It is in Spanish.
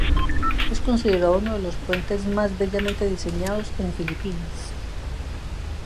Es considerado uno de los puentes más bellamente diseñados en Filipinas.